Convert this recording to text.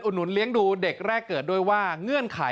หนุนเลี้ยงดูเด็กแรกเกิดด้วยว่าเงื่อนไข